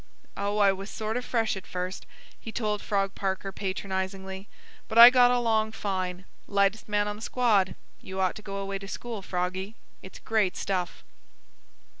"Oh, I was sort of fresh at first," he told Frog Parker patronizingly, "but I got along fine—lightest man on the squad. You ought to go away to school, Froggy. It's great stuff."